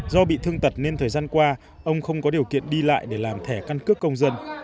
do bị thương tật nên thời gian qua ông không có điều kiện đi lại để làm thẻ căn cước công dân